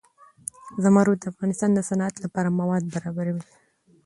زمرد د افغانستان د صنعت لپاره مواد برابروي.